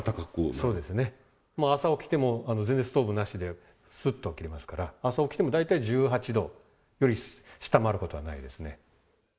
そうですね、朝起きても全然ストーブなしですっと起きれますから、朝起きても大体１８度より下回ることはないですね。